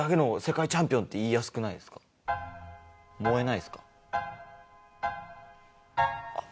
燃えないですか？